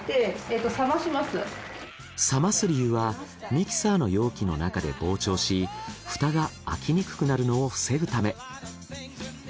冷ます理由はミキサーの容器の中で膨張し蓋が開きにくくなるのを防ぐため。